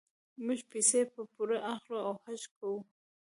موږ پیسې په پور اخلو او حج کوو.